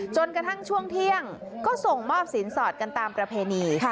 จนกระทั่งช่วงเที่ยงก็ส่งมอบสินสอดกันตามประเพณี